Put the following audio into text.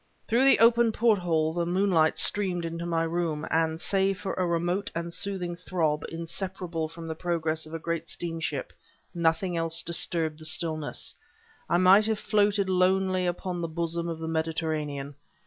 Through the open porthole the moonlight streamed into my room, and save for a remote and soothing throb, inseparable from the progress of a great steamship, nothing else disturbed the stillness; I might have floated lonely upon the bosom of the Mediterranean.